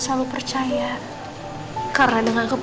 aku percaya sama kamu